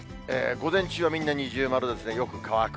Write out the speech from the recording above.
午前中はみんな二重丸ですね、よく乾く。